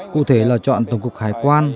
cụ thể là chọn tổng cục khái quan